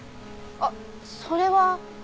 あっそれは。